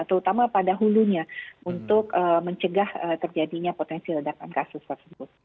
terutama pada hulunya untuk mencegah terjadinya potensi ledakan kasus tersebut